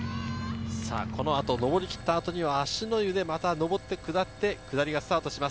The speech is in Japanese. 上りきった後には芦之湯でまた上って下って、下りがスタートします。